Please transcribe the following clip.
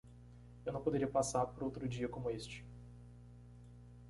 Eu não poderia passar por outro dia como este.